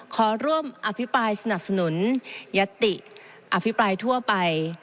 ขอร่วมอภิปรายสนับสนุนยัตติอภิปรายทั่วไป